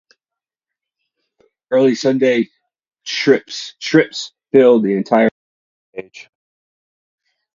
Early Sunday strips filled an entire newspaper page.